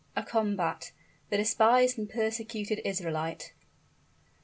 A COMBAT THE DESPISED AND PERSECUTED ISRAELITE.